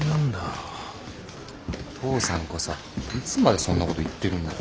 父さんこそいつまでそんな事言ってるんだよ。